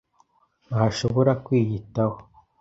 ntashobora kwiyitaho.